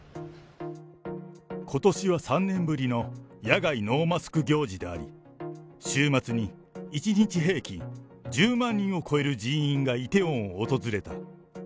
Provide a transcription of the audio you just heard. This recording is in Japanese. ことしは３年ぶりの野外ノーマスク行事であり、週末に１日平均１０万人を超える人員が梨泰院を訪れた。